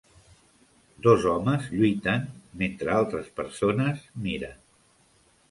Dos homes lluiten mentre altres persones miren.